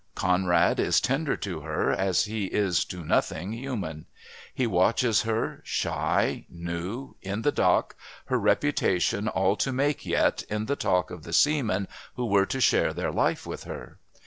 Conrad is tender to her as he is to nothing human. He watches her shy, new, in the dock, "her reputation all to make yet in the talk of the seamen who were to share their life with her."...